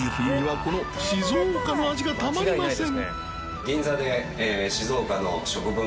この静岡の味がたまりません